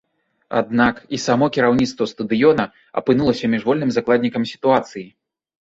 Аднак і само кіраўніцтва стадыёна апынулася міжвольным закладнікам сітуацыі.